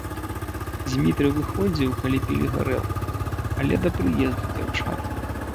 Дзмітрый выходзіў, калі пілі гарэлку, але да прыезду дзяўчат.